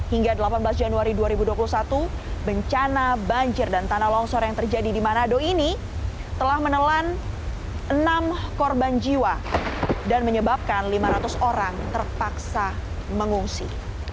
hingga delapan belas januari dua ribu dua puluh satu bencana banjir dan tanah longsor yang terjadi di manado ini telah menelan enam korban jiwa dan menyebabkan lima ratus orang terpaksa mengungsi